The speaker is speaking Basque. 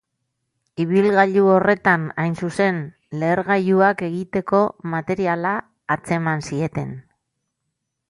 Ibilgailu horretan, hain zuzen, lehergailuak egiteko materiala atzeman zieten.